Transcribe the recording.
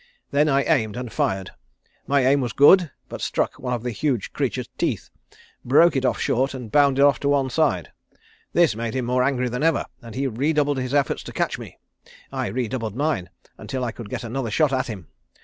Then I aimed, and fired. My aim was good, but struck one of the huge creature's teeth, broke it off short, and bounded off to one side. This made him more angry than ever, and he redoubled his efforts to catch me. I redoubled mine, until I could get another shot at him.